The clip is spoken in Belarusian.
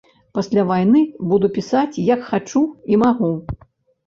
Пасля вайны буду пісаць як хачу і магу.